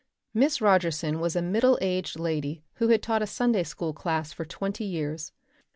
Miss Rogerson was a middle aged lady who had taught a Sunday school class for twenty years.